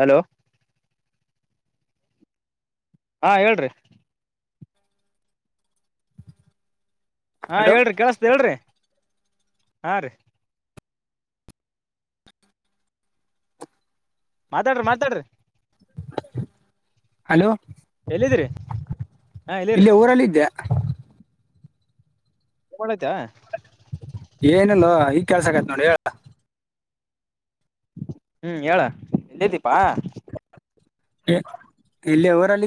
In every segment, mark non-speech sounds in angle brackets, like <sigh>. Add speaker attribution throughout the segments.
Speaker 1: Hello ಹಾ ಹೇಳ್ರಿ ಹಾ
Speaker 2: ಹಲೋ
Speaker 1: ಹೇಳ್ರಿ ಕಳ್ಸ್ದ ಹೇಳ್ರಿ ಹಾ ರೀ. ಮಾತಾಡ್ರಿ ಮಾತಾಡ್ರಿ.
Speaker 2: ಹಲೋ.
Speaker 1: ಎಲ್ಲಿದಿರಿ ಹಾ ಎಲ್ಲಿದ್ರಿ.
Speaker 2: ಊರಲ್ಲಿದ್ದೆ.
Speaker 1: ಡ ಆಯತಾ <unintelligible>
Speaker 2: ಏನಲ್ಲ ಈಗ್ ಕೆಲ್ಸ ಆತ್ ನೋಡಿ ಹೇಳ.
Speaker 1: ಹ್ಮ್ ಹೇಳ ಎಲ್ಲಿದ್ದೀಪಾ.
Speaker 2: ಇಲ್ಲೆ ಊರಲ್ಲಿ.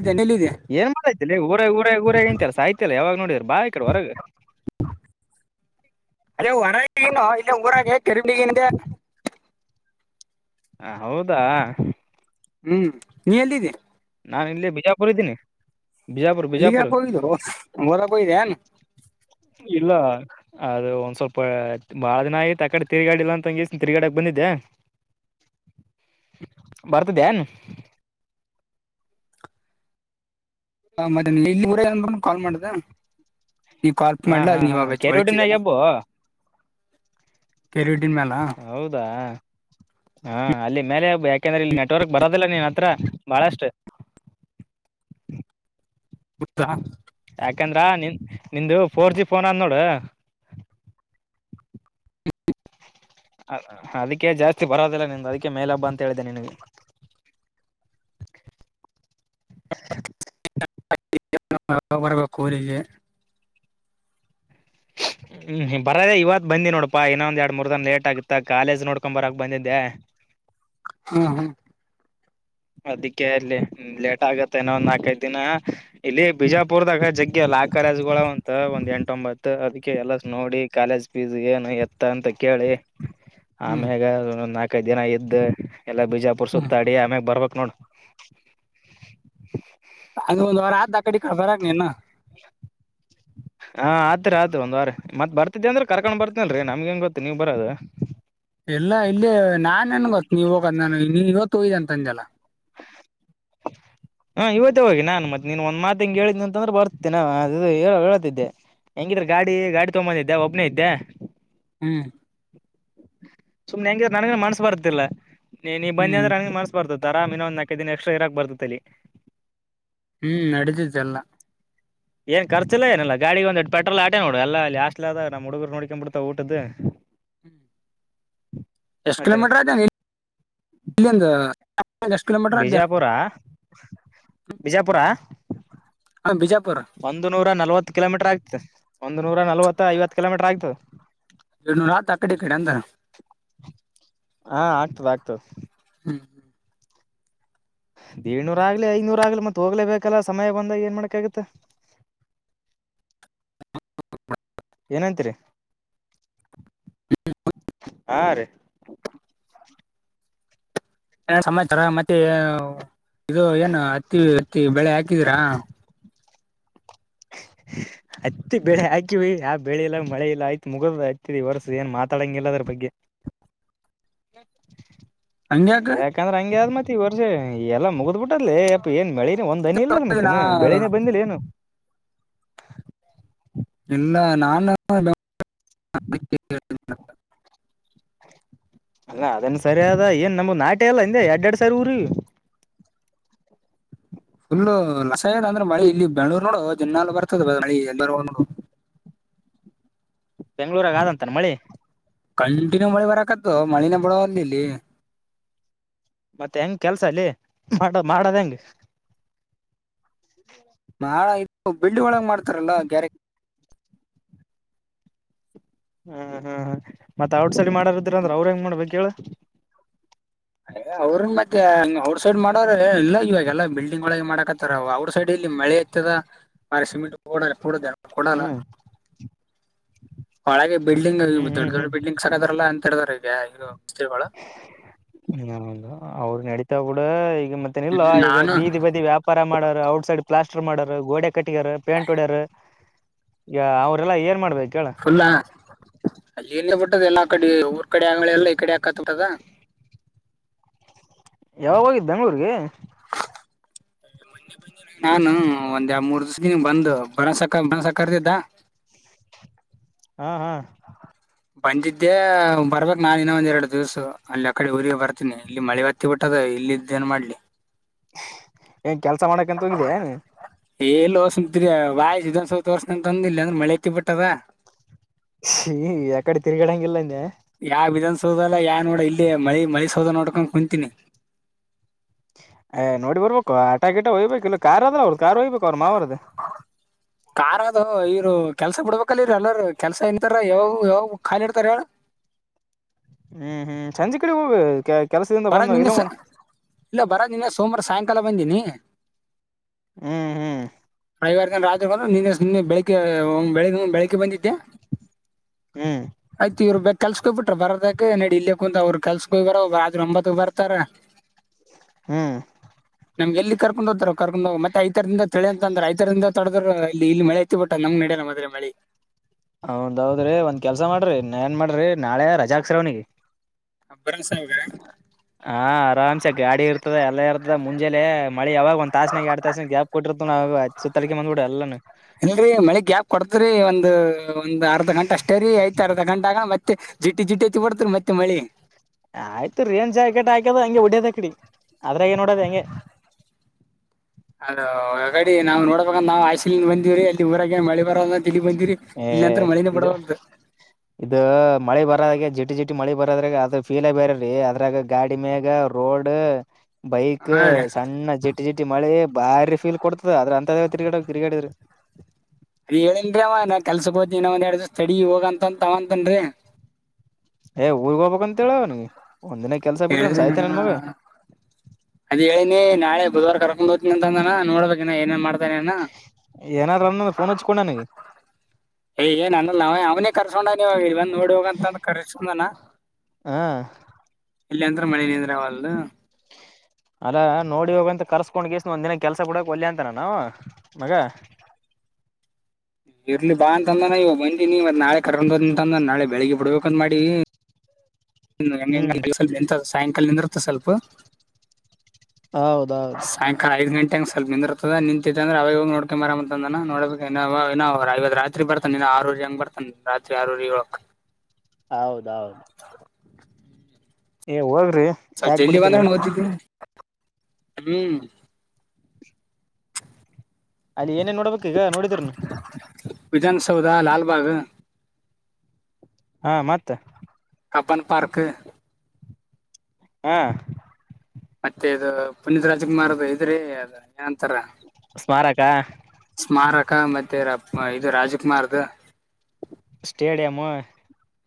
Speaker 1: ಏನ್ ಮಾಡತತಿಲ್ಲ ಊರ ಊರ ಊರೇ ಅಂತಾರಲ್ಲ ಸಾಯ್ತಲ್ಲ ಯಾವಾಗ ನೋಡಿದ್ರ ಬಾ ಈ ಕಡೆ ಹೊರಗ.
Speaker 2: ಅದೇ ಹೊರಗನು ಇಲ್ಲ ಊರಾಗೆ ಕರಿಬಗಿಂದೆ.
Speaker 1: ಹ ಹೌದಾ.
Speaker 2: ಹ್ಮ್ ನೀ ಎಲ್ಲಿದ್ದೀ?.
Speaker 1: ನಾನು ಇಲ್ಲಿ ಬಿಜಾಪುರ ಇದ್ದೀನಿ. ಬಿಜಾಪುರ್
Speaker 2: ಅಲ್ಲಿಗೆ
Speaker 1: ಬಿಜಾಪುರ್
Speaker 2: ಹಯು ಹೊರ ಬಯ್ದ ಏನ್.
Speaker 1: ಇಲ್ಲ. ಅದು ಒಂದ್ ಸ್ವಲ್ಪ ಬಾಳ ದಿನ ಆಯತ್ ಆ ಕಡೆ ತಿರ್ಗಾಡಿ ಇಲ್ಲ ಅಂತಂಗ ತಿರ್ಗಾಡಕ್ ಬಂದಿದ್ದೆ. ಬರತ ನ್.
Speaker 2: ಹ ಮತ್ತೆ ಇಲ್ಲಿ ಊಂದ್ರ ಕಾಲ್ ಮಾಡ್ದ. ನೀವ ಕಾಲ್ಪ್
Speaker 1: ಹಾ
Speaker 2: ಮಾಡ್ಲ
Speaker 1: ಹಾ
Speaker 2: ಅ
Speaker 1: ಹಾ
Speaker 2: ನೀವ್
Speaker 1: ಕೆರೋಡಿನಾಗ
Speaker 2: ಹೊಳಿದಲ್ಲ
Speaker 1: ಹಬ್ಬು
Speaker 2: ಪರಿ ಹಟ್ಟಿದ ಮ್ಯಾಲ <inaudible>
Speaker 1: ಹೌದಾ ಹ ಅಲ್ಲಿ ಮೇಲೆಬ ಯಾ. ಯಾಕಂದ್ರೆ ಇಲ್ಲಿ ನೆಟ್ವರ್ಕ್ ಬರದಲ್ಲ ನೀನ್ ಹತ್ರ ಬಾಳಷ್ಟು.
Speaker 2: ಕುತಾ.
Speaker 1: ಯಾಕಂದ್ರ ನಿನ್ ನಿಂದು ಫೋರ್ ಜಿ ಫೋನ್ ಅಂದ್ ನೋಡ್. ಅದಕ್ಕೆ ಜಾಸ್ತಿ ಬರೋದಿಲ್ಲ ನಿಂದ ಅದಕ್ಕೆ ಮೇಲ್ ಬಾ ಅಂತ ಹೇಳಿದೆನೆ ನಿನಗೆ.
Speaker 2: ಬರ್ಬೇಕು ಊರಿಗೆ.
Speaker 1: ಹ್ಮ. ಹ್ಮ್ ಹ್ ಬರದ ಇವತ್ತು ಬಂದಿ ನೋಡಪಾ ಇನ್ನೊಂದ ಎರಡು ಮೂರ್ ದನ ಲೇಟ್ ಆಗಿ ಕಾಲೇಜ ನೋಡ್ಕೊಬರಾಕ್ ಬಂದಿದ್ದೆ.
Speaker 2: ಹಾ ಹಾ
Speaker 1: ಅದಕ್ಕೆ ಅಲ್ಲಿ ಲೇಟ್ ಆಗತ್ತೆ ಇನ ಒಂದ್ ನಾಲ್ಕೈದ ದಿನ. ಇಲ್ಲಿ ಬಿಜಾಪುರ್ದಾಗ ಜಗ್ಗೆ ಎಲ್ಲಲಾ ಕರಜ್ಗಳ ಅಂತ ಒಂದ್ ಎಂಟೊಂಬತ್ತುತ್ ಅದಕ್ಕೆ ಎಲ್ಲ ನೋಡಿ. ಕಾಲೇಜ್ ಫೀಸ್ ಏನು ಎತ್ತ ಅಂತ ಕೇಳಿ
Speaker 2: ಹ್ಮ್
Speaker 1: ಆಮ್ಯಾಗ ಒಂದ ನಾಲ್ಕ್. ನಾಲ್ಕೈದು ದಿನ ಇದ್ದ್ ಎಲ್ಲಾ ಬಿಜಾಪುರ್
Speaker 2: ಹ್ಮ್
Speaker 1: ಸುತ್ತ ಅಡಿ ಆಮ್ಯಾಗ ಬರ್ಬಕ್ ನೋಡ.
Speaker 2: ಹಂಗ ಒಂದ್ ವಾರ ಆದ ಅಕಡಿ ಕ ಬರ ನೀನು.
Speaker 1: ಹಾ ಆದರಿ ಆದ್ರರಿ ಒಂದವಾರ ಮತ್ ಬರ್ತಿದಿ ಅಂದ್ರ ಕರ್ಕೊಂಡ್ ಬರ್ತೇನ್ರರಿ ನಮ್ಗೆನ್ ಗೊತ್ತು ನೀವು ಬರೋದು.
Speaker 2: ಎಲ್ಲಾ ಇಲ್ಲ ನಾನನ್ ಗೊತ್ತ ನೀವ ಹೋಗ ನ ನೀ ಇವತ್ತುಯ್ದ ಅಂತ ಅಂದಲ್ಲ.
Speaker 1: <inaudible> ಹಾ ಇವತ್ತೇ ಹೋಗಿ ನಾನ್ ಮತ್ತೆ ನೀನ್ ಒಂದ್ ಮಾತಂಗೆ ಹೇಳಿದನಿ ಅಂತಂದ್ರೆ ಬರ್ತೇನೆ ಹೇಳ್ತಿದ್ದೆ. ಹೆಂಗಿದ್ರೆ ಗಾಡಿ ಗಾಡಿ ತಗೊಂದಿದ್ದೆ ಒಬ್ನೇ ಇದ್ದೆ.
Speaker 2: ಹ್ಮ್.
Speaker 1: ಸುಮನೆ ಹೆಂಗಿದ ನನನ್ ಮನ್ಸ್ಸ ಬರ್ತ್ತಲ್ಲ ನೀ ಬಂದಿ
Speaker 2: ಹ್ಮ್
Speaker 1: ನನ್ ಮನ್ಸ್ಸ. ಬರ್ತಾರರೀನ ಆರಾಮ್ ಈನೊಂದು ಒಂದ ನಾಕೈ ದಿನ ಎಕ್ಟ್ರಾ ಇಕ್ ಬರ್ತತಿಲ್ಲಿ.
Speaker 2: ಹ್ಮ್ ನಡೆದಿದ್ದಲ್ಲ.
Speaker 1: ಏನ್ ಖರ್ಚ್ ಇಲ್ಲಾ ಏನ ಇಲ್ಲಾ ಗಾಡಿ ಒಂದಂದು ಎಡ್ ಪೆಟ್ರೋಲ್ ಆಟ ನೋಡಿ ಅಲ್ಲ ಹಾಸ್ಟೇಲ್ ಅದ ಹುಗರು ನೋಡ್ಕೊಂಡ್ ಬಿಡ್ತದರು ಊಟದು.
Speaker 2: ಹ್ಮ್ ಎಷ್ಟ್
Speaker 1: ಮತ್ತೇನ
Speaker 2: ಕಿಲೋಮೀಟರ್........ ಅದನೆ ಇಲ್ಲಿಂದ. ಎಷ್ಟು ಕಿಲೋಮೀಟರ್ ಆದ್ಯಾನ
Speaker 1: ಬಿಜಾಪುರ ಬಿಜಾಪುರ
Speaker 2: ಹ ಬಿಜಾಪುರ್
Speaker 1: ಒಂದು ನೂರ ನಲ್ವತ್ತು ಕಿಲೋಮೀಟರ್ ಆಗ್ತದೆ ಒಂದು ನೂರ ನಲ್ವತ್ತು ಐವತ್ತು ಕಿಲೋಮೀಟರ್ ಆಗ್ತದೆ
Speaker 2: ಎರಡ್ನೂರ ಆತ ಆ ಕಡೆಡಿ ಕಡೆ ಅಂತ
Speaker 1: ಹಾ ಆಗ್ತದ ಆಗ್ತದ
Speaker 2: ಹ್ಮ್
Speaker 1: ಏಡ್ನೂರ ಆಗ್ಲಿ ಐನೂರ ಆಗ್ಲಿ ಮತ್ತ್ ಹೋಗ್ಲೇಬೇಕಲ್ಲ ಸಮಯ ಬಂದಾಗ ಏನ್ ಮಾಡಕ ಆಗತ್ತ ಏನಂತರಿ ಹಾ ರೀ
Speaker 2: ಸಮಯ ತರ ಮತ್ತೆ ಇದು ಏನು ಹತ್ತಿ ಹತ್ತಿ ಬೆಳೆ ಹಾಕ ಹಾಕಿದೀರಾ
Speaker 1: ಹ <inaudible> ಹತ್ತಿ ಬೆಳೆ ಹಾಕಿವಿ ಯಾವ ಬೆಳೆ ಇಲ್ಲ ಮಳೆ ಇಲ್ಲ ಆಯ್ತ್ ಮುಗ್ ಹತ್ತಿದ ವರ್ಸದ ಏನ್ ಮಾತಾಡಂಗ್ ಇಲ್ಲ ಅದ್ರ ಬಗ್ಗೆ ಹ <inaudible>
Speaker 2: ಹಂಗೆಕ
Speaker 1: ಯಾಕಂದ್ರೆ ಹಂಗೆ ಮತ್ ಈ ವರ್ಷ ಎಲ್ಲಾ ಮುಗಿದ್ ಬಿಟ್ಟದ್ಲೇ ಏನ್ ಮಳೆನೆ ಒಂದ್ ಹನಿ ಇಲ್ಲ ನ
Speaker 2: ನಾ
Speaker 1: ಮತ್ತೇನು ಬೆಳನೇ ಬಂದಿಲ್ಲ ಏನು
Speaker 2: ಇಲ್ಲ ನಾನ <inaudible>
Speaker 1: ಅಲ್ಲ ಅದನ್ ಸರಿಯದ ಏನ್ ನಮ್ ನಾಟ ಎಲ್ಲ ಹಿಂದೆ ಎರಡ್ ಎರಡ್ ಸಾವರ ಊರಿ
Speaker 2: ಪುಲ್ಲು ಲಸಾಯ ಅಂದ್ರೆ ಮಳಿ ಇಲ್ಲಿ ಬೆಂಗಳೂರು ನೋಡು ದಿನ್ನಲು ಬರ್ತದ ಮಳಿ ಎಲ್ಲ ನೋಡು
Speaker 1: ಬೆಂಗ್ಳೂರಾಗ ಆದಂತಾನ ಮಳಿ
Speaker 2: ಕಂಟಿನ್ಯೂ ಮಳಿ ಬರಕತ್ತು ಮಳಿನ <unintelligible> ಬಳ ಅಲ್ ಇಲ್ಲಿ
Speaker 1: ಮತ್ತೆ ಹೆಂಗ್ ಕೆಲ್ಸ ಅಲ್ಲಿ ಮಾಡ ಮಾಡದ ಹೆಂಗ
Speaker 2: ನಾಳ ಇತ್ತು ಬಿಲ್ಡ್ ಒಳಗೆ ಮಾಡ್ತಾರಲ್ಲ ಗ್ಯಾರೆ
Speaker 1: ಹ್ಮ್ ಹ್ಮ್ ಹ ಮತ್ ಔಟ್ ಸೈಡ್ ಮಾಡಾರಿದ್ರ ಅಂದ್ರ ಅವ್ರ ಹೆಂಗ್ ಮಾಡ್ಬೇಕ್ ಹೇಳ
Speaker 2: ಅವ್ರನ್ ಮತ್ತೆಂಗ್ ಔಟ್ ಸೈಡ್ ಮಾಡ್ರೆ ಇಲ್ಲ ಇವಾಗಲ್ಲ ಬಿಲ್ಡಿಂಗ್ ಒಳಗ ಮಾಡಕತ್ತಾರ ಅವ ಅವ್ರ ಸೈಡ್ ಇಲ್ಲಿ ಮಳೆ <unintelligible> ದ ಮಾರಿ ಸಿಮೆಂಟ್ ಪೋಡರ್ೂಡ
Speaker 1: ಹ್ಮ್ <unintelligible>
Speaker 2: ಒಳಗೆ ಬಿಲ್ಡಿಂಗ್
Speaker 1: ಹ್ಮ್
Speaker 2: ದೊಡ್ಡ
Speaker 1: ಹ್ಮ್
Speaker 2: ದೊಡ್
Speaker 1: ಹ್ಮ್
Speaker 2: ಬಿಲ್ಡಿಂಗ್ ಸಾಕದಾರಲ್ಲ ಅಂತ ಹೇಳಿದಾರ <inaudible> ಈಗ ಈ ಮಳ
Speaker 1: ಹ ಹೌದು ಅವ್ರ ನಡೀತಾವ ಬಿಡು ಈಗ ಮತ್ತೆ ನಿಲ್ಲ
Speaker 2: ಹ್ಮ್
Speaker 1: ಈಗ
Speaker 2: ನಾನು
Speaker 1: ಬೀದಿ ಬದಿ ವ್ಯಾಪ್ ಪರ ಮಾಡಾರು ಔಟ್ ಸೈಡ್ ಪ್ಲಾಸ್ಟರ್ ಮಾಡಾರ ಗೋಡೆ ಕಟ್ಟಗ್ಯಾರ ಪೇಂಟ್ ಹೊಡ್ಯಾರು ಈಗ ಅವ್ರಲ್ಲಾ ಏನ್ ಮಾಡ್ಬೇಕ ಹೇಳ
Speaker 2: ಫುಲ್ ಅಲ್ಲಿ ಏನ ಬಿಟ್ಟದ ಎಲ್ಲಾ ಕಡೆ ಊರ್ ಕಡೆ ಆಲ್ಲ ಈ ಕಡೆ ಹಾಕತ್ ಬಿಟ್ಟದ
Speaker 1: ಯಾವಾಗ ಹೋಗಿದ್ದ್ ಬೆಂಗ್ಗಳೂರ್ರಿಗೆ
Speaker 2: ನಾನು ಒಂದ್ ಮೂರ್ ದಿವಸನ್ ಬಂದು <unintelligible> ಬರಸಕ ಬಸಕರ್ದಿದ್ದ
Speaker 1: ಹಾ ಹಾ
Speaker 2: ಬಂದಿದ್ದೆ ಬರ್ಬೇಕ್ ನಾ ಇನ್ನೊ ಒಂದ್ ಎರಡು ದಿವ್ಸ ಅಲ್ಲಿ ಅ ಕಡೆ ಊರಿಗೆ ಬರ್ತೀನಿ ಇಲ್ಲಿ ಮಳೆ ಬತ್ ಹತ್ತಿ ಬಿಟ್ಟದ ಇಲ್ ಇದ್ ಏನ್ ಮಾಡ್ಲಿ
Speaker 1: ಏನ್ ಕೆಲ್ಸ ಮಾಡಕಂತ ಹೋಗಿದೆ
Speaker 2: <unintelligible> ಎಲ್ಲಿೋರ್ಸ ಬಾಯಿ ಸನ್ಸವೋರ್ ಅಂತ ಅಂದಿಲ್ಲ ಅಂದ್ರ ಮಳೆ ಐತಿ ಬಿಟ್ಟದ
Speaker 1: ಹ ಎಕಡೆ ತಿರಗಡಗೆಲ್ಲಂದ
Speaker 2: ಯಾವ ವಿಧಾನಸೌಧಲ್ಲಾ ಯಾ ನೋಡ ಇಲ್ಲಿ ಮಳಿ ಮಳಿ ಸೌದ ನೋಡ್ಕೊಂಡ ಕುಂತೀನಿ
Speaker 1: ಏ ನೋಡಿ ಬರ್ಬೇಕು ಆಟಾ ಗಿಟ ಹೊಯ್ಬೇಕು ಇಲ್ಲ ಕಾರ್ ಅದ ಅವ್ಳ ಕಾರ್ ಹೊಯ್ಬೇಕು ಅವ್ರ ಮಾವರ್ದ
Speaker 2: ಕಾರರ್ ಅದು ಇರು ಕೆಲ್ಸ ಬಿಡ್ಬೇಕಲ್ಲರ ಎಲ್ಲಾರ ಕೆಲ್ಸ ಇನ್ಂತಾರ ಯಾವ ಯಾವ ಖಾಲಿ ಇಡ್ತಾರ ಹೇಳ
Speaker 1: ಹ್ಮ್ ಹ್ಮ್ ಸಂಜೆ ಕಡೆ ಹೋಗ ಕೆಲಸದಿಂದ
Speaker 2: ಬರ
Speaker 1: ಬಂದ
Speaker 2: ನಿನ್ನೆ
Speaker 1: ಇಲ್ಲ ಒಂದ್
Speaker 2: ಇಲ್ಲ ಬರ ನಿನ್ನೆ ಸೋಮಾರ ಸಾಯಂಕಾಲ ಬಂದೀನಿ
Speaker 1: ಹ್ಮ್ ಹ್ಮ್
Speaker 2: <unintelligible> ರವಾರದಿನ ರಾಜ ನಿ ನಿನ್ನೆ ಬೆಳಿಗ್ಗೆ ಹುಂ ಬೆಳಿಗ್ಗೆ ಹುಂ ಬೆಳಿಗ್ಗೆ ಬಂದಿದ್ದೆ.
Speaker 1: ಹು
Speaker 2: ಆಯ್ತ ಇವರ ಬೆ ಕಲಸಕ್ಕಹೋಗಿಬಿಟ್ಟ್ರ ಬರ್ದಕ ನಡಿ ಇಲ್ಲೆ ಕುಂತಾವ ಅವರು ಕೆಲ್ಸ್ಕೋಗ್ಯಾರಾ ಅವರ ಆಯ್ ರೋಂಬತ್ತಕ್ ಬರ್ತಾರ.
Speaker 1: ಹು
Speaker 2: ನಂಗೆಲ್ಲಿ ಕರ್ಕೊಂಡ್ ಹೋಗತಾರ ಕರ್ಕೊಂಡ ಹೋಗ್ ಮತ್ತ ಐತಾರದಿಂದ ತಳಿ ಅಂತ ಅಂದ್ರ ಐತಾರದಿಂದ ತಡದರ ಇಲ್ಲಿ ಮಳೆ ಐತ್. ತ್ತಿಬಿಟ್ಟ ನಮ್ಮಎಡ್ಯಾಗ ಮಧುರ ಮಳಿ.
Speaker 1: ಹೌದ ಹೌದ ರೀ ಒಂದು ಕೆಲಸ ಮಾಡಿರಿ ನಏನು ಮಾಡಿರಿ ನಾಳೆ ರಜಾ ಹಾಕ್ಷಸ್ರವನಿಗೆ.
Speaker 2: ಅಬ್ಬ್ರನ್ ಸಂಘ.
Speaker 1: ಹಾ ಆರಾಮ್ಸೆ ಗಾಡಿ ಇರ್ತದ ಎಲ್ಲ ಇರ್ತದ ಮುಂಜೆಲೆ ಮಳಿ ಯಾವಾಗ ಒಂದ ತಾಸನಾಗ ಎರಡ್ ತಾಸನಾಗ ಗ್ಯಾಪ್. ಕೊಟ್ಟಿರ್ತ ನೋಡ ಅವಾಗ ಸುತ್ತ ತಲಕ ಬಂದಬಿಡ ಎಲ್ಲಾನು.
Speaker 2: ಇಲ್ಲಡ್ರಿ ಮಳಿ ಗ್ಯಾಪ್ ಕೊಡ್ತರಿ ಒಂದ್ ಒಂದ್ ಅರ್ಧ ಗಂಟೆ ಅಷ್ಟೇರಿ ಐತ ಅರ್ಧ ಗಂಟ ಆಗನ ಮತ್ತೆ. ಜಿಟಿ ಜಿಟಿ ಹತ್ತಿ ಬಿಡ್ತ ಮತ್ತ ಮಳಿ.
Speaker 1: ಆಯ್ತು ರೇನ್ ಜಾಕೆಟ್ ಹಾಕದ ಹಂಗೆ ಹೊಡದ ಆಕಡಿ ಅದ್ರಾಗೇ ನೋಡದ ಹಂಗೆ.
Speaker 2: ಹಲೋ ಆಗಲ್ಲಿ ನಾವು ನೋಡ್ಬೇಕಂದ ನಾವು ಆಸೆಯಿಂದ ಬಂದವ್ರರಿ ಅಲ್ಲಿ ಊರಾಗೆ ಮಳಿ ಬರೋದ. ಇಲ್ಲಿ ಬಂದಿವಿರಿ ಇಲ್ಲಿ ನಿಂತ್ರ ಮಳಿನ ಬಿಡವಲ್ದ.
Speaker 1: ಹು ಇದು ಮಳಿ ಬರೋಹಾಗೆ ಜಿಟಿ ಜಿಟಿ ಮಳಿ ಬರದ್ರಾಗ ಅದರ ಫೀಲ್ ಬೇರೆರಿ ಅದ್ರಾಗ ಗಾಡಿಮ್ಯಾಗ ಅವರ. ರೋಡ. ಬೈಕ್
Speaker 2: ಹಾ ರೀ ಅದ್
Speaker 1: ಸಣ್ಣ ಜಿಟಿ ಜಿಟಿ ಮಳಿ ಬಾರಿ ಫೀಲ್ ಕೊಡ್ತದ ಆದ್ರಂತ ತಿರ್ಗಾಡ ತಿರ್ಗಾಡಿದ್ರ.
Speaker 2: ರಿ ಹೇಳೇನ್ರೀ ಅವಾ ನಾ ಕೆಲಸಕ್ಕ ಹೋಗತೇ ಇನ್ನ ಒಂದ ಎರಡದಿಸ ತಡಿ ಹೋಗ ಅಂತ ತಾವಂತಾಂಡ್ರಿ.
Speaker 1: ಏ ಊರಿಗ್ ಹೋಗ್ಬೇಕಂತ ಹೇಳವನಿಗೆ ಒಂದಿನ ಕೆಲ್ಸ ಬಿಟ್ರೆ ಸಾಯ್ತನೆನ ಮಗಾ.
Speaker 2: ಅದ ಹೇಳಿನಿ ನಾಳೆ ಬುಧವಾರ ಕರ್ಕೊಂಡ್ ಹೋಗ್ತನಿ ಅಂದಾನ ನೋಡ್ಬೇಕಿನ ಏನ್ ಏನ್ ಮಾಡ್ತಾನ ಏನ.
Speaker 1: ಏನಾರ ಅಂನನ್ನ ಫೋನ್ ಹಚ್ಕೊಂಡ ನನಗೆ.
Speaker 2: ಏ ಏನ್ ಅನಲ್ಲ ಅವ ಅವನೇ ಕರ್ಸ್ಕೊಂಡ ನೀಲ್ಲಿ ಬಂದ ನೋಡಿ. ನೋಡಿ ಹೋಗಂತಂದ ಕರ್ಸಕೊಂಡಾನ
Speaker 1: ಹ
Speaker 2: ಇಲ್ಲ ಅಂದ್ರ ಮಳಿ ನಿಂದ್ರ ವಲ್ದು.
Speaker 1: ಅಣ್ಣಾ ನೋಡಿ ಹೋಗ ಅಂತ ಕರ್ಸ್ಕೊಂಡ ಗಿಸ್ ಒಂದ ದಿನಾ ಕೆಲಸ ಬಿಡೋಕ್ಕ ಒಲ್ಲಾ ಅಂತಾನ ನವಾ ಮಗಾ.
Speaker 2: ಇರ್ಲಿ ಬಾ ಅಂತಂದನಾ ಇವ ಬಂದಿ ನೀ ಮತ್ತ ನಾಳೆ ಕರ್ಕೊಂಡ ಹೋಗಿ ತಂದ ನಾಳೆ ಬೆಳಿಗ್ಗೆ ಬಿಡ್ಬೇಕಂದ ಮಾಡಿ. ಹೆಂಗಂಗ
Speaker 1: ಹ್ಮ್
Speaker 2: ಸ್ವಲ್ ನಿಂತದ ಸಾಯಂಕಾಲ ನಿಂದರ್ತ್ತದ ಸ್ವಲ್ಪ.
Speaker 1: ಹೌದ
Speaker 2: ಸಾಯ ಕಾಲಾ ಐದ ಗಂಟೆ ಸ್ವಲ್ಪ ನಿಂದರ್ತದ ನಿಂತಿದ್ದ ಅಂದ್ರ ಅವಾಗ ಹೋಗಿ ನೋಕೊಂಡಬರಮಾ ಅಂದಾನ ನೋಡಬೇಕ ಇನ್ನು ಅವಾಗ ರೆಲ್ವೇದ್ರಾಗ. ತ್ರಿ ಬರ್ತಾನ ಇನ ಆರೂವರಿ ಹಂಗ ಬರ್ತಾನ ರಾತ್ರಿ ಆರೂವರಿ ಏಳುಕ್ಕ.
Speaker 1: ಹೌದ ಹೌದ
Speaker 2: ತೌ
Speaker 1: ಏ ಹೋಗ್ರಿ.
Speaker 2: ಸ್ವಲ್ಪ
Speaker 1: ಯಾಕ್
Speaker 2: ಜಲ್ದಿ
Speaker 1: ಬಿಡದ್ರಿ
Speaker 2: ಬಂದ್ರ ಮುಗಿತೇತಿ ಹು
Speaker 1: ಅಲ್ಲಿ ಏನ ಏನ ನೋಡ್ಬೇಕ ಈಗ ನೋಡಿದ್ರನ.
Speaker 2: ವಿಧಾನಸೌಧ ಲಾಲ್ಬಾಗ್.
Speaker 1: ಹಾ ಮತ್ತ.
Speaker 2: Cubbon park.
Speaker 1: ಹು
Speaker 2: ಮತ್ತೆ ಇದ ಪುನೀತ್ ರಾಜ್ಕುಮಾರ್ ಇದುರಿ ಅದು ಏನಂತಾರ.
Speaker 1: ಸ್ಮಾರಕಾ.
Speaker 2: ಸ್ಮಾರಕಾ ಮತ್ತೆ ರಪ್ ಇದು ರಾಜಕುಮಾರದ.
Speaker 1: ಸ್ಟೇಡಿಯಮು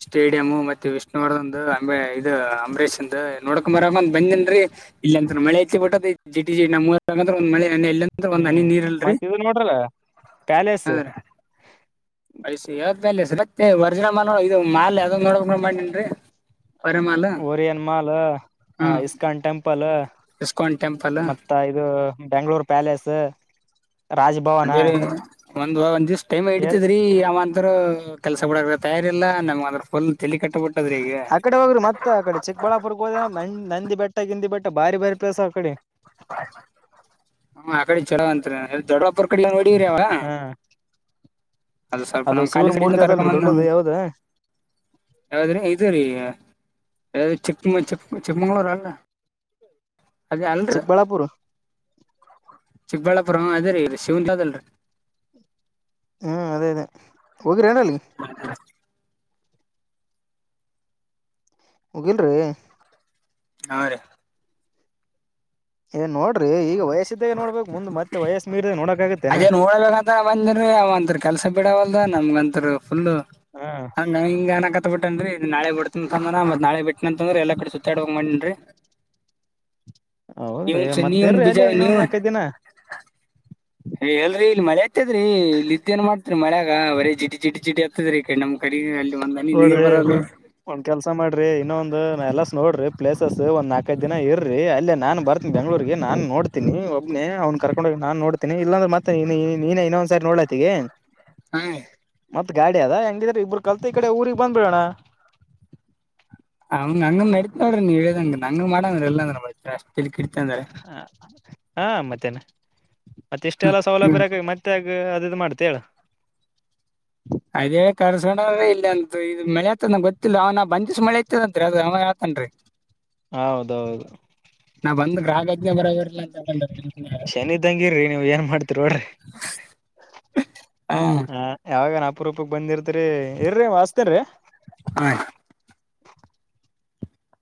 Speaker 2: ಸ್ಟೇಡಿಯಮ್ ಮತ್ತೆ ವಿಷ್ಣುವರ್ದಂದು ಅ ಅಂ ಇದು ಅಂಬರೀಷ್ಂದ ನೋಡ್ಕೊಂಬರಕ ಅಂತ ಬಂದನ್ರರಿ ಇಲ್ಲಾಂತ ಮಳೆ ಹೆಚ್ಚಿ ಬಿಟ್ಟದಿ ಜಿಟಿ ಜಿ ನಮ್ಮ ಉರ್ನಗ ಒಂದ್ ಮಳೆ ಇಲ್ಲ ಅ ಒಂದ್
Speaker 1: ಹ್ಮ್
Speaker 2: ಹನಿ ನೀರ್ ಇಲ್ರಿ
Speaker 1: ಮತ್ತ ಇದು ನೋಡ್ರಲ್ಲ ಪ್ಯಾಲೇಸ್
Speaker 2: ಹಾ ಐಸಿ ಆದಾದ್ಮೇಲೆತ್ತ ವರ್ಜ್ರ ಮಾಲ್ ಇ ಮಾಲ್ ಯಾವ್ದ್ ನೋಡ ಮಾಡಿನ ರೀ ಹೊರ ಮಾಲ್
Speaker 1: ಓರಿಯನ್ ಮಾಲ್ ಆ
Speaker 2: ಹ್ಮ್
Speaker 1: ಇಸ್ಕಾನ್ ಟೆಂಪಲು
Speaker 2: ಇಸ್ಕಾನ್ ಟೆಂಪಲು
Speaker 1: ಮತ್ತ ಇದು ಬೆಂಗ್ಗಳೂರು ಪ್ಯಾಲೇಸು ರಾಜ್ಭವ
Speaker 2: ಅದೇ <inaudible> ಒಂದ್ ಒಂದ್ ದಿವ್ಸ ಟೈಮ್
Speaker 1: ಏರ್
Speaker 2: ಇಡ್ತದ್ರೀ ಅವಂತರು ಕೆಲ್ಸ
Speaker 1: ಹ್ಮ್
Speaker 2: ಬುಡಕ ತಯಾರಿಲ್ಲಾ ನಮ್ ಅಂದ್ರ ಫೋಲ್ ತಲೆ ಕಟಾಬಿಟ್
Speaker 1: ಆ ಕಡೆ ಹೋಗರು ಮತ್ತ ಆ ಕಡೆ ಚಿಕ್ಕಬಳ್ಳಾಪುರ ಹೋದ ನಂದಿ ಬೆಟ್ಟ ಗಿಂದಿ ಬೆಟ್ಟ ಬರೀ ಭಾರಿ ಪ್ಲೇಸ್ ಆ ಕಡೆ
Speaker 2: ಹ ಆ ಕಡೆ ಚಲೋ ಅಂತ್ರೀ ಎ ದೊಡ್ಡಪುರ್ ಕಡೆ ನೋಡವ್ರಿ ಅವರ
Speaker 1: ಹಾ
Speaker 2: ಅದು ಸ್ವಲ್ಪ ನಮ್ ಖಾಲಿ
Speaker 1: ಶಿವನ್
Speaker 2: ಕಡೆಇಂದ
Speaker 1: ಮೂರ್ತಿ ಅದಲ್ರಿ ದೊಡ್ಡದು
Speaker 2: ಕರ್ಕೊಂಬಂದಿವಿ
Speaker 1: ಯಾವ್ದ
Speaker 2: ಯಾವಾದ್ರೀ ಇದು ರೀ ಯಾವ ಚಿಕ್ಕ ಚಿಕ್ಕ ಚಿಕ್ಕಮಂಗ್ಳೂರ ಅಲ್ಲ ಹಾ <unintelligible> ಅಂದೆ
Speaker 1: ಚಿಕ್ಕಬಳ್ಳಾಪುರ್
Speaker 2: ಚಿಕ್ಕಬಳ್ಳಾಪುರ ಹ ಅದ ರೀ ಶಿವಂದ್ ಅದ ಅಲ್ರಿ
Speaker 1: ಹ್ಮ್ ಅದೇ ಅದೇ ಹೋಗಿರೇನಲ್ಲಿ
Speaker 2: ಹ <inaudible>
Speaker 1: ಹೋಗಿಲ್ ರೀ
Speaker 2: ಹಾ ರೀ
Speaker 1: ಎ ನೋಡ್ರಿ ಈಗ ವಯಸಿದ್ದಾಗೆ ನೋಡ್ಬೇಕು ಮುಂದ ಮತ್ತೆ ವಯಸ್ಸ ಮೀರ್ ನೋಡಕಗುತ್ತಾ.
Speaker 2: ಅದೇ ನೋಡಬೇಕಂತ ಬಂದೀನ್ರೀ ಅವಂತ ಕೆಲ್ಸ ಬಿಡವಲ್ದ ನಮ್ಗಂತರ ಫುಲ್.
Speaker 1: ಹ
Speaker 2: ಹಂಗ ಹಿಂಗ <inaudible> ಬಿಟ್ಟೇನ್ರಿ ನಾಳೆ ಬಿಡ್ತನಂತ ಅಂದನ ಮತ್ ನಾಳೆ ಬಿಟ್ಟನಂತದ್ರ ಎಲ್ಲ ಕಡೆ ಸುತ್ತಾಡ ಹೋಗ್ಬೇಕಂತ ಮಾಡೇನ್ರಿ.
Speaker 1: ಹೌದ್ರಿ
Speaker 2: ನೀವನ್
Speaker 1: ಮತ್ತ
Speaker 2: ನೀವನ್
Speaker 1: ಇರ್ರಿ
Speaker 2: ಬೀಜ
Speaker 1: ಅಲ್ಲೇ
Speaker 2: ನೀವ
Speaker 1: ಇನ್ನೊಂದ್ ನಾಲ್ಕೈದ್ ದಿನ
Speaker 2: ಏ ಎಲ್ರರಿ ಇಲ್ಲಿ ಮಳೆ. <unintelligible> ಅತ್ಯದ್ರೀ ಇಲ್ಲಿ ಇದ್ದ ಏನ್ ಮಾಡ್ತೀರಿ ಮಳೆಗಾ ಬರೆ ಜಿಟಿ ಜಿಟಿ ಜಿಟಿ ಅತ್ಯದ್ರೀ ಇಕಡಿ ಕಡಿ ಅಲ್ಲಿ ಒಂದನಿ ನೀರ್
Speaker 1: ನೋಡ್ರಿ
Speaker 2: ಬರಲ್ಲ ರೀ
Speaker 1: ಒಂದ್ ಕೆಲ್ಸ ಮಾಡ್ರಿ ಇನ್ನೊಂದ ಎಲ್ಲಸ್ ನೋಡ್ರಿ ಪ್ಲೇಸಸ್ ಒಂದ್ ನಾಕೈದ ದಿನ ಇರ್ರರಿ ಅಲ್ಲೇ ನಾನ್ ಬರ್ತೀನಿ <inaudible> ಬೆಂಗಳೂರಿಗೆ ನಾನ್ ನೋಡ್ತೀನಿ ಒಬ್ಬನೆ ಅವನ್ ಕರಕೊಂಡ ಹೋಗಿ ನಾನು ನೋಡ್ತೀನಿ ಇಲ್ಲಂದ್ರ ಮತ್ತೆ ನೀನೇ ಇನಾಒಂದ್ಸರಿ ಸರ್ ನೋಡ್ಲಾತಿಗೆ
Speaker 2: ಹಾ ರೀ
Speaker 1: ಮತ್ ಗಾಡಿ ಅದ ಹೆಂಗಿದ್ರ ಇಬ್ಬರು ಕಲ್ತ್ ಈ ಕಡೆ ಊರಿಗ್ ಬಂದ್ ಬಿಡೋಣ.
Speaker 2: ಹಂಗ ಹಂಗ ನಡಿತ ನೋಡ್ರಿ ನೀವ್ ಹೇಳ್ದಂಗ ಹಂಗ ಮಾಡಂಗ್ರ ಇಲ್ಲಂದ್ರ ಅಷ್ಟ್ ತೇಲಿಕೆಡಿತಂದ್ರ.
Speaker 1: ಹ ಹಾ ಮತ್ತೇನ ಮತ್ತೆ ಇಷ್ಟೆಲ್ಲ
Speaker 2: ನೀವ್
Speaker 1: ಸೌಲಭ್ಯಇರಕಾಗಿ ಮತ್ತೆ. ಮಾತ್ಯಾಗ ಅದಿನಾ ಮಾಡ್ತಿ ಹೇಳ.
Speaker 2: ಅದೇ ಕರ್ಸಕೊಂಡ್ರ ಇಲ್ಲಿಯಂತಾ ಇದು ಮಳೆ ಅತ್ಯದ್ ನನಗ ಗೊತ್ತಿಲ್ಲ ಅವನ ಬಂದಿಸ್ ಮಳೆ ಅತ್ಯದ್ದಂತ್ರಿ ಅದ ಅವ ಹೇಳತಾನ್ರಿ. <unintelligible>
Speaker 1: ಹೌದೌದು
Speaker 2: ನಾ ಬಂದ್ ಗ್ರಹಗತಿನೆ ಬರಬರಿ ಇಲ್ಲ ಅಂತ ಹೇಳ್ಕೊಂಡಾರೆ. <inaudible>
Speaker 1: ಶನಿ ಇದ್ದಂಗಿರ್ರಿ ನೀವ್ ಏನ್ ಮಾಡ್ತಿರಿ ನೋಡ್ರಿ
Speaker 2: ಹಾ
Speaker 1: ಹ ಯಾವಾಗನ ಅಪರೂಪಕ ಬಂದಿರ್ತೀರಿ ಇರ್ರೀ ವಸ್ತ್ರರಿ
Speaker 2: ಹಾ